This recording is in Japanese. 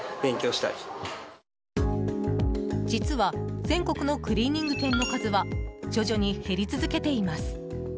実は、全国のクリーニング店の数は徐々に減り続けています。